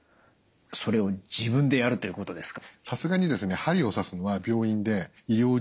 それを自分でやるということですか？